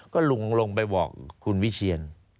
ก็ลุงลงไปบอกคุณวิเชียน